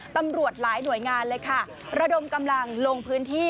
ตำรวจหลายหน่วยงานเลยค่ะระดมกำลังลงพื้นที่